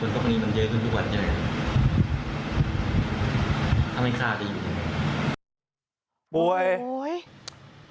ก็ไม่ข้ายิ้ม